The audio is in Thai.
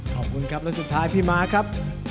ขอบคุณครับแล้วสุดท้ายพี่ม้าครับ